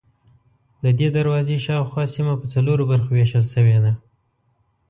ددې دروازې شاوخوا سیمه په څلورو برخو وېشل شوې ده.